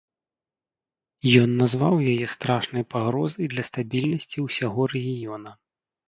Ён назваў яе страшнай пагрозай для стабільнасці ўсяго рэгіёна.